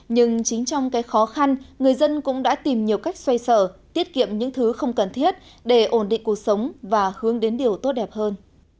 nhưng chính trong cái khó khăn người dân cũng đã tìm nhiều cách xoay sở tiết kiệm những thứ không cần thiết để ổn định cuộc sống và hướng đến điều tốt đẹp hơn